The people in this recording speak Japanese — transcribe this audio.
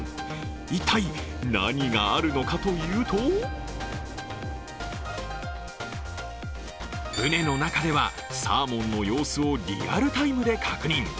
一体、何があるのかというと船の中では、サーモンの様子をリアルタイムで確認。